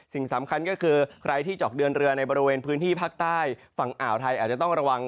สิ่งสำคัญก็คือใครที่เจาะเดินเรือในบริเวณพื้นที่ภาคใต้ฝั่งอ่าวไทยอาจจะต้องระวัง